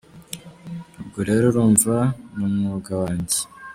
Ubwo rero urumva ni umwuga wanjye.